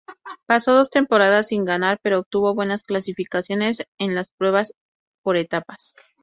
Pasó dos temporadas sin ganar, pero obtuvo buenas clasificaciones en la pruebas por etapas.